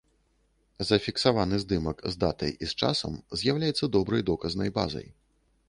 Зафіксаваны здымак з датай і з часам з'яўляецца добрай доказнай базай.